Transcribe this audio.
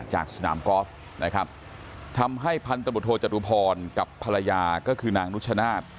จากสนามกอล์ฟนะครับทำให้พันธบทโทจตุพรกับภรรยาก็คือนางนุชนาธิ์